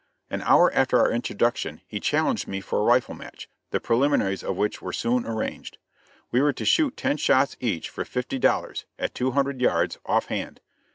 An hour after our introduction he challenged me for a rifle match, the preliminaries of which were soon arranged. We were to shoot ten shots each for fifty dollars, at two hundred yards, off hand.